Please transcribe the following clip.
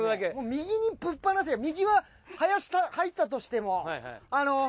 右にぶっ放せば右は林入ったとしてもあの。